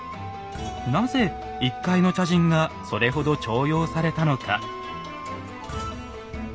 なぜ一介の茶人がそれほど重用されたのか。